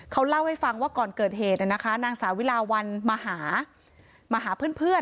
เขาเล่าให้ฟังว่าก่อนเกิดเหตุนะคะนางสาวิลาวันมาหามาหาเพื่อน